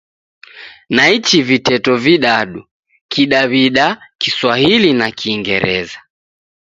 Naichi viteto vidadu: Kidaw'ida, Kiswahili na Kingereza.